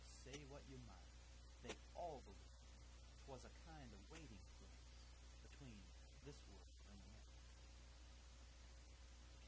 Say what you might, they all believed 'twas a kind of waiting place between this world an' the next."